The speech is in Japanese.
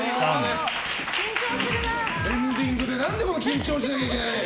エンディングで何で緊張しなきゃいけない。